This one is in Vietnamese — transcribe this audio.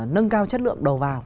nâng cao chất lượng đầu vào